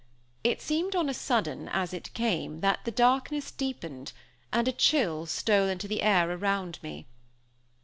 It seemed on a sudden, as it came, that the darkness deepened, and a chill stole into the air around me.